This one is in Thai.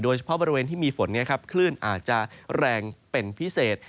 บริเวณที่มีฝนคลื่นอาจจะแรงเป็นพิเศษ